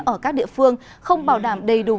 ở các địa phương không bảo đảm đầy đủ